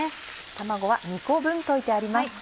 卵は２個分溶いてあります。